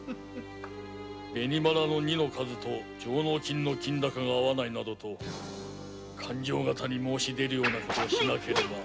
紅花の荷の数と上納金の金高が合わないなどと勘定方に申し出るような事をしなければ。